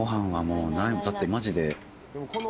だってマジで。